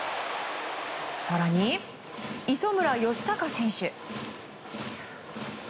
更に、磯村嘉孝選手。